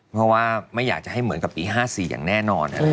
เพราะว่าไม่อยากจะให้เหมือนกับปี๕๔อย่างแน่นอน